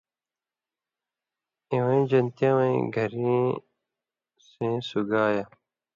اِوَیں (جنتیان وَیں) گھریں (سېں سُگایہ،